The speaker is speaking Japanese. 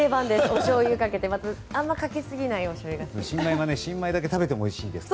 おしょうゆかけてまた、あまりかけすぎないおしょうゆが好きです。